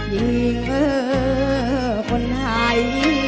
ยิงคนหาย